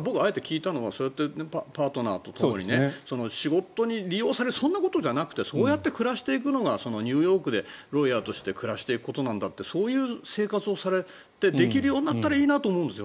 僕、あえて聞いたのがパートナーと仕事に利用されるそんなことじゃなくてそうやって暮らしていくのがニューヨークで暮らしていくことなんだってそういう生活をされてできるようになったらいいなと思うんですよ。